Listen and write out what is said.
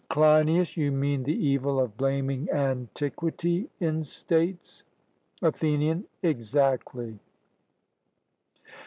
CLEINIAS: You mean the evil of blaming antiquity in states? ATHENIAN: Exactly.